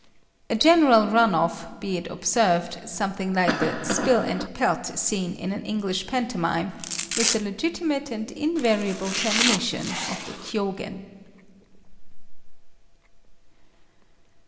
A general run off, be it observed, something like the "spill and pelt" scene in an English pantomime, is the legitimate and invariable termination of the Kiyôgen.